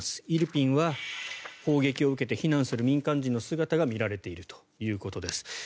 イルピンは砲撃を受けて避難する民間人の姿が見られているということです。